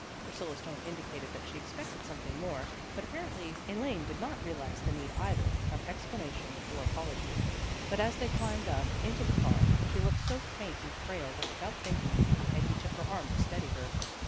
Priscilla's tone indicated that she expected something more, but apparently Elaine did not realize the need either of ex planation or apology. But as they climbed up 244 THE GIRLS .OF FRIENDLY TERRACE into the car, she looked so faint and frail that without thinking, Peggy took her arm to steady her.